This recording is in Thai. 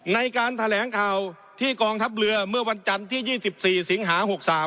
ในการแถลงข่าวที่กองทัพเรือเมื่อวันจันทร์ที่๒๔สิงหา๖๓